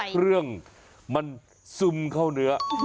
เครื่องมันซุ่มเข้าเนื้อ